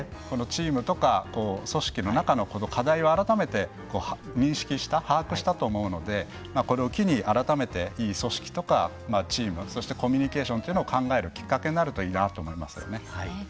チームとか組織の中の課題を改めて認識した把握したと思うのでこれを機に、改めていい組織とかチーム、そしてコミュニケーションというのを考えるきっかけになるといいなと思いますよね。